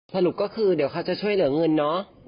สรุปก็คือเดี๋ยวเขาจะช่วยเหลือเงินเนาะ